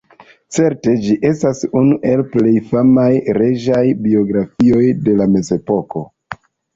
Certe ĝi estas unu el plej famaj reĝaj biografioj de la Mezepoko.